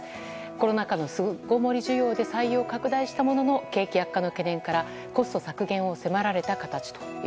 コロナ禍の巣ごもり需要で採用を拡大したものの景気悪化の懸念からコスト削減を迫られた形です。